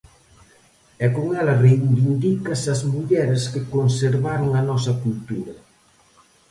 E con ela reivindicas as mulleres que conservaron a nosa cultura.